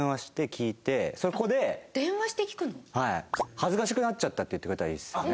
恥ずかしくなっちゃったって言ってくれたらいいですよね。